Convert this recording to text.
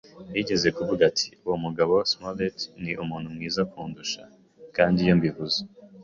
Yigeze kuvuga ati: “Uwo mugabo Smollett, ni umuntu mwiza kundusha. Kandi iyo mbivuze